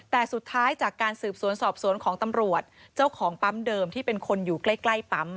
แต่สุดท้ายจากการสืบสวนสอบสวนของตำรวจเจ้าของปั๊มเดิมที่เป็นคนอยู่ใกล้ปั๊ม